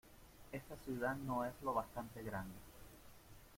Esta ciudad no es lo bastante grande